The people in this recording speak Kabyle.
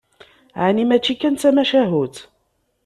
Ɛni mačči kan d tamacahut?